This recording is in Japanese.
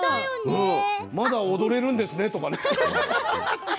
まだ踊れるんですね、とか。